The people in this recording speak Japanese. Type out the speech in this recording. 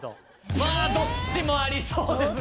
まあどっちもありそうですね。